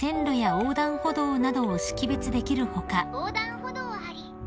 横断歩道あり。